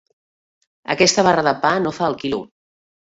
Aquesta barra de pa no fa el quilo.